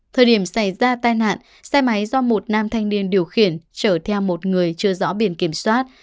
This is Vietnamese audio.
thời điểm xảy ra tai nạn xe máy do một nam thanh niên điều khiển chở theo một người chưa rõ biển kiểm soát